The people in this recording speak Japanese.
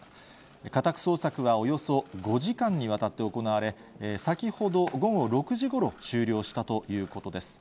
家宅捜索はおよそ５時間にわたって行われ、先ほど午後６時ごろ終了したということです。